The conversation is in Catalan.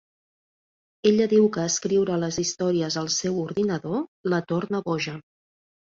Ella diu que escriure les històries al seu ordinador, la torna boja.